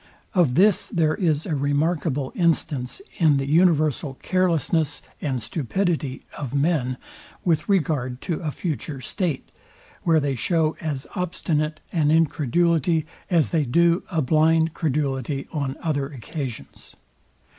Of this there is a remarkable instance in the universal carelessness and stupidity of men with regard to a future state, where they show as obstinate an incredulity, as they do a blind credulity on other occasions.